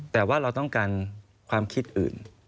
แต่ว่าเราต้องการความคิดอื่น